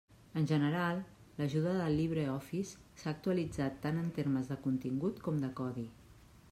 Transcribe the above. En general, l'ajuda del LibreOffice s'ha actualitzat tant en termes de contingut com de codi.